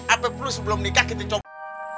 apa perlu sebelum nikah kita coba